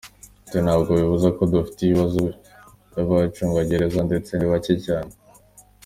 Ati “Ntabwo bibuza ko tudafite ibibazo by’abacungagereza ndetse ni bake cyane.